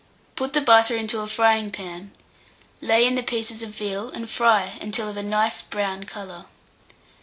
Put the butter into a frying pan, lay in the pieces of veal, and fry until of a nice brown colour.